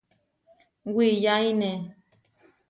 Wiyáine.